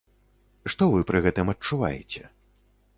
Што вы пры гэтым адчуваеце?